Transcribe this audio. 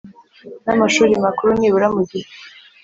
n amashuri makuru nibura mu gihe